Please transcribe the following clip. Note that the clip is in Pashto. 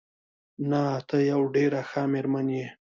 نه، ته یوه ډېره ښه مېرمن یې.